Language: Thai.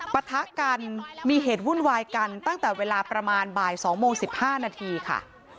ปะทะกันมีเหตุวุ่นวายกันตั้งแต่เวลาประมาณบ่าย๒โมง๑๕นาทีค่ะ